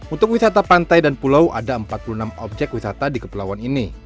untuk wisata pantai dan pulau ada empat puluh enam objek wisata di kepulauan ini